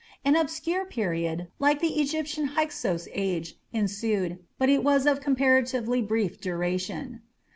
An obscure period, like the Egyptian Hyksos Age, ensued, but it was of comparatively brief duration.